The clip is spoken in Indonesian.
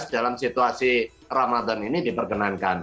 dalam situasi ramadan ini diperkenankan